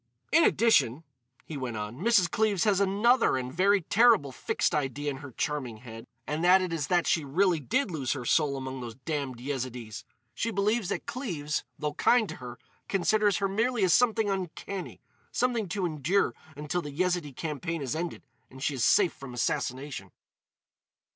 "In addition," he went on, "Mrs. Cleves has another and very terrible fixed idea in her charming head, and that is that she really did lose her soul among those damned Yezidees. She believes that Cleves, though kind to her, considers her merely as something uncanny—something to endure until this Yezidee campaign is ended and she is safe from assassination."